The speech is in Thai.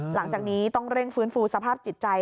หลังจากนี้ต้องเร่งฟื้นฟูสภาพจิตใจ